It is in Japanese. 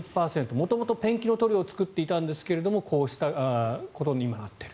元々、ペンキの塗料を作っていたんですがこういうことに今なっている。